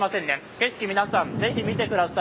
景色、皆さん、ぜひ見てください。